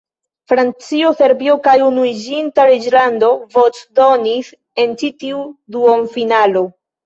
Francio, Serbio kaj Unuiĝinta Reĝlando voĉdonis en ĉi tiu duonfinalo.